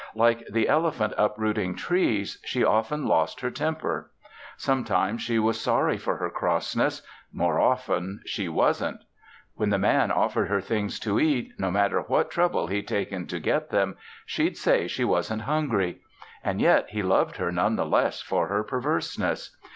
Like the elephant uprooting trees, she often lost her temper. Sometimes she was sorry for her crossness; more often she wasn't. When the Man offered her things to eat, no matter what trouble he'd taken to get them, she'd say she wasn't hungry. And yet he loved her none the less for her perverseness.